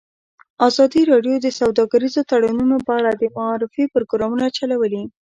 ازادي راډیو د سوداګریز تړونونه په اړه د معارفې پروګرامونه چلولي.